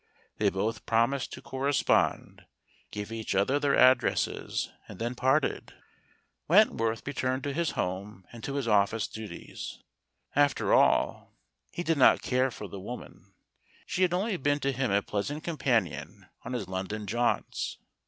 They both promised to correspond, gave each other their addresses, and then parted. Wentworth returned to his home and to his office duties. After all, he did not care for the woman; she had only been to him a pleasant companion on his London jaunts.